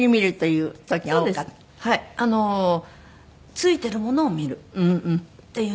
ついてるものを見るっていうので。